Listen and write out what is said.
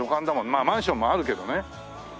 まあマンションもあるけどね。